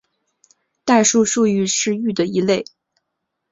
代数数域是域的一类。